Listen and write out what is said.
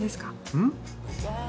うん？